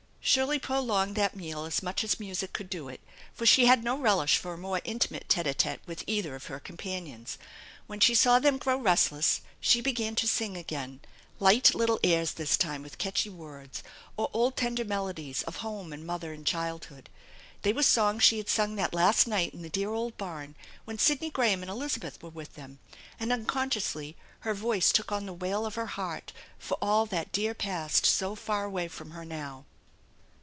" Shirley prolonged that meal as much as music could do it, for she had no relish for a more intimate tete a tete with cither of her companions. When she saw them grow restless she began to sing again, light little airs this time with catchy words ; or old tender melodies of home and mother and child hood. They were songs she had sung that last night in the dear old barn when Sidney Graham and Elizabeth were with them, and unconsciously her voice took on the wail of her heart for all that dear past so far away from her now.